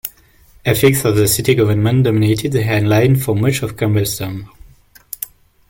Ethics of the city government dominated the headlines for much of Campbell's term.